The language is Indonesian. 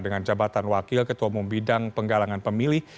dengan jabatan wakil ketua umum bidang penggalangan pemilih